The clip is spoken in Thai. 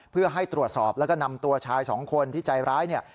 เพื่อให้ตรวจสอบแล้วก็นำตัวชายสองคนที่ใจร้ายเนี่ย